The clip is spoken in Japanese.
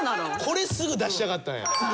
これすぐ出したかったんや。